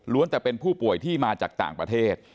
แต่เป็นผู้ป่วยที่มาจากต่างประเทศ